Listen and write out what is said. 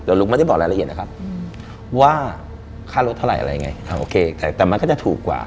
ลุงไม่ได้บอกรายละเอียดนะครับว่าค่ารถเท่าไหร่อะไรยังไงโอเคแต่มันก็จะถูกกว่า